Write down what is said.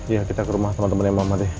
iya kita ke rumah temen temennya mama deh